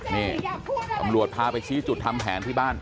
นี่ตำรวจพาไปชี้จุดทำแผนที่บ้าน